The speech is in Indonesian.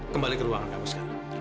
kembali ke ruangan kamu sekarang